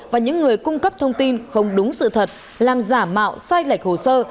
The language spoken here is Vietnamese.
và những người cung cấp thông tin không đúng sự thật làm giả mạo sai lệch hồ sơ